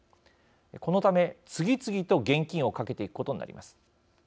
このため、次々と現金をかけていくことになります。